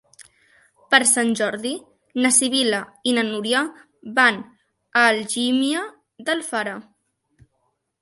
Per Sant Jordi na Sibil·la i na Núria van a Algímia d'Alfara.